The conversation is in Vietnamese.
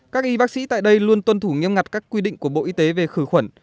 các y bác sĩ tại đây luôn tuân thủ nghiêm ngặt các quy định của bộ y tế về khử khuẩn